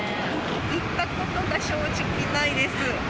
行ったことが正直、ないです。